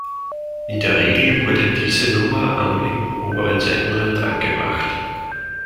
In der Regel wurde diese Nummer am linken oberen Seitenrand angebracht.